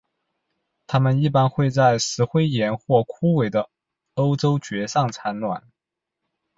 它们一般会在石灰岩或枯萎的欧洲蕨上产卵。